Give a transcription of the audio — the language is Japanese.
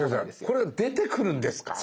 これ出てくるんですか？